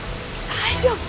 大丈夫？